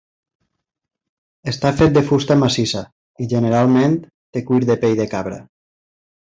Està fet de fusta massissa i, generalment, té cuir de pell de cabra.